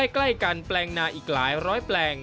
ใกล้กันแปลงนาอีกหลายร้อยแปลง